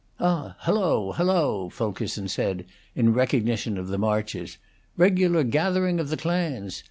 "Ah! hello! hello!" Fulkerson said, in recognition of the Marches. "Regular gathering of the clans.